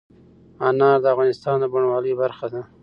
انار د افغانستان د بڼوالۍ برخه ده.